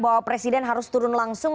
bahwa presiden harus turun langsung